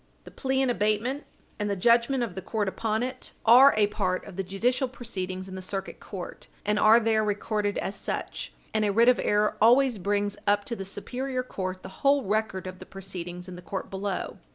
The plea in abatement and the judgment of the court upon it are a part of the judicial proceedings in the Circuit Court and are there recorded as such, and a writ of error always brings up to the superior court the whole record of the proceedings in the court below.